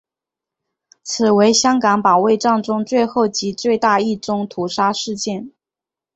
此为香港保卫战中最后及最大一宗屠杀事件。